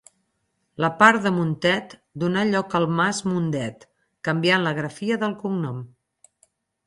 La part de Montet donà lloc al mas Mundet, canviant la grafia del cognom.